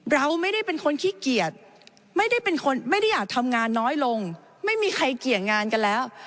เราไม่ได้เป็นคนขี้เกียจไม่ได้เป็นคนไม่ได้อยากทำงานน้อยลงไม่มีใครเกี่ยงงานกันแล้ว